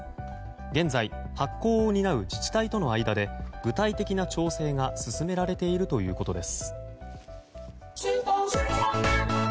現在、発行を担う自治体との間で具体的な調整が進められているということです。